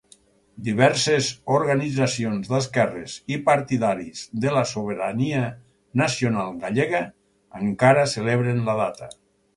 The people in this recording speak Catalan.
Diverses organitzacions d'esquerres i partidaris de la sobirania nacional gallega encara celebren la data.